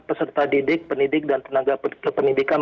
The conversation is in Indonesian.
peserta didik pendidik dan tenaga pendidikan